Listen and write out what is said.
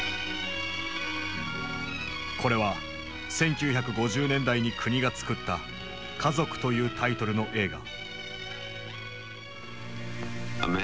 これは１９５０年代に国が作った「家族」というタイトルの映画。